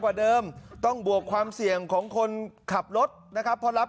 กว่าเดิมต้องบวกความเสี่ยงของคนขับรถนะครับเพราะรับ